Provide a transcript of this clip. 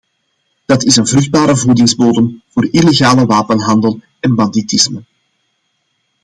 Dat is een vruchtbare voedingsbodem voor illegale wapenhandel en banditisme.